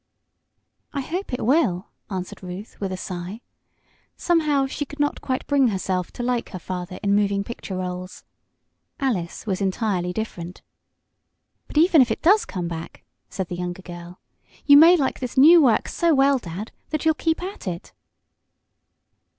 "I hope it will," answered Ruth, with a sigh. Somehow she could not quite bring herself to like her father in moving picture rôles. Alice was entirely different. "But, even if it does come back," said the younger girl, "you may like this new work so well, Dad, that you'll keep at it."